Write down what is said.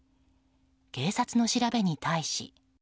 警察の調べに対し。